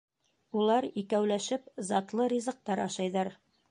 Улар икәүләшеп затлы ризыҡтар ашайҙар.